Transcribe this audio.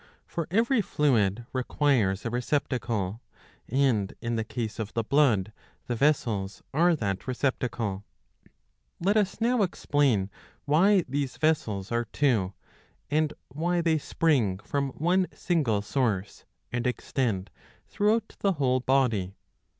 For every fluid" requires a receptacle, and in the case of the blood the vessels are that receptacle. Let us now explain why these vessels are two, and why they spring from one single source, and extend throughout the whole body.